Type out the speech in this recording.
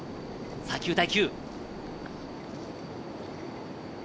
９対９。